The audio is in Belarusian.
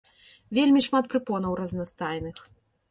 Вельмі шмат прыпонаў разнастайных.